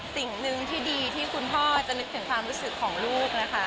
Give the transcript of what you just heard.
สิ่งหนึ่งที่ดีที่คุณพ่อจะนึกถึงความรู้สึกของลูกนะคะ